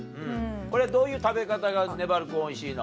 これはどういう食べ方がねばる君おいしいの？